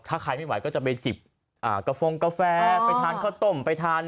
ถ้าใครไม่ไหวก็จะไปจิบกระฟงกาแฟไปทานข้าวต้มไปทาน